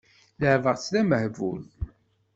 Leεbeɣ-tt d amehbul.